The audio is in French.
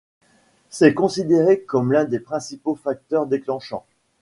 C'est considéré comme l'un des principaux facteurs déclenchants.